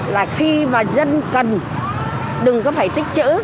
là khi mà dân cần đừng có phải tích chữ